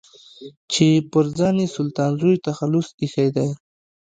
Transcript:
چې پر ځان يې سلطان زوی تخلص ايښی دی.